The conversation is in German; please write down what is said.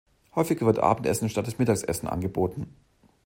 Häufiger wird Abendessen statt des Mittagessens angeboten.